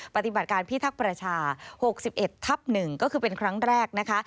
ปฏิบัติการพิทักษ์ประชา๖๑ทับ๑ก็คือเป็นครั้งแรกนะคะ